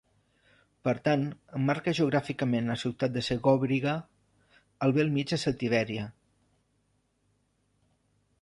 Per tant, emmarca geogràficament la ciutat de Segòbriga, al bell mig de Celtibèria.